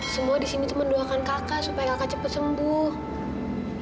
semua di sini itu mendoakan kakak supaya kakak cepet sembuh